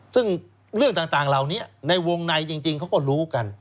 ซึ่งเรื่องต่างเหล่านี้ในวงในจริงเขาก็รู้กัน